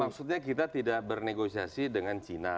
maksudnya kita tidak bernegosiasi dengan cina